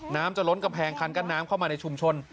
น้ำจะล้นกำแพงคันกั้นน้ำเข้ามาในชุมชน